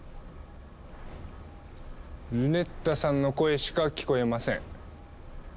ルネッタさんの声しか聞こえません。